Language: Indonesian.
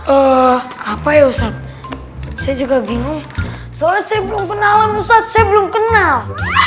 eh apa ya ustadz saya juga bingung soalnya saya belum kenal ustadz saya belum kenal